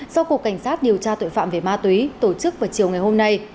do cục cảnh sát điều tra tội phạm về ma túy tổ chức vào chiều ngày hôm nay